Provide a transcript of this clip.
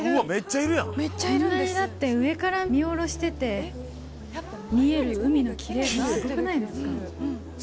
こんなにだって、上から見下ろしてて見える海のきれいさ、すごくないですか？